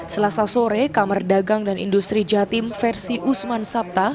selasa sore kamar dagang dan industri jatim versi usman sabta